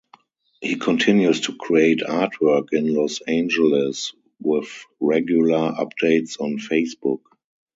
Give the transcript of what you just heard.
He continues to create artwork in Los Angeles with regular updates on Facebook.